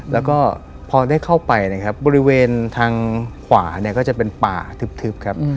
แล้วก็พอได้เข้าไปบริเวณทางขวาก็จะเป็นป่าถึบ